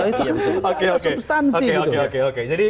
itu harus tidak substansi